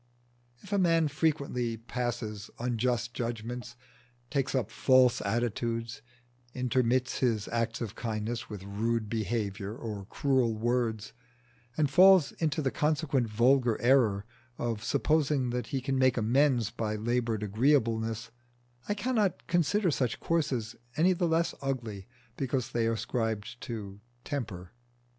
If a man frequently passes unjust judgments, takes up false attitudes, intermits his acts of kindness with rude behaviour or cruel words, and falls into the consequent vulgar error of supposing that he can make amends by laboured agreeableness, I cannot consider such courses any the less ugly because they are ascribed to "temper."